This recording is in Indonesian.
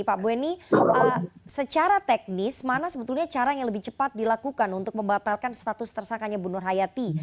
pak beni secara teknis mana sebetulnya cara yang lebih cepat dilakukan untuk membatalkan status tersangkanya bu nur hayati